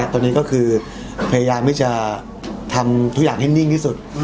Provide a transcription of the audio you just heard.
ตอนนี้ก็คือพยายามที่จะทำทุกอย่างให้นิ่งที่สุด